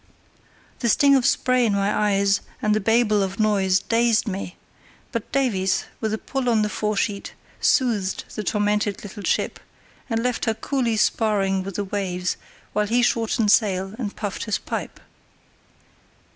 The sting of spray in my eyes and the Babel of noise dazed me; but Davies, with a pull on the fore sheet, soothed the tormented little ship, and left her coolly sparring with the waves while he shortened sail and puffed his pipe.